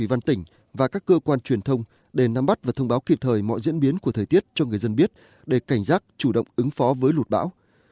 ủy ban tỉnh và các cơ quan truyền thông để nắm bắt và thông báo kịp thời mọi diễn biến của thời tiết cho người dân biết để cảnh giác chủ động ứng phó với lụt bão